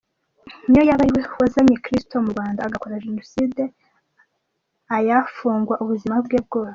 Niyo yaba ariwe wazanye Christo mu Rwanda agakora Jenoside ayafungwa ubuzima bwe bwose.